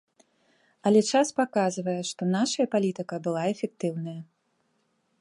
Але час паказвае, што нашая палітыка была эфектыўная.